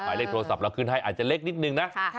หมายเลขโทรศัพท์เราขึ้นให้อาจจะเล็กนิดนึงนะ